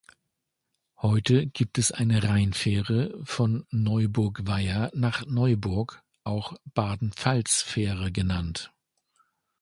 Heute gibt es eine Rheinfähre von Neuburgweier nach Neuburg, auch 'Baden-Pfalz' Fähre genannt.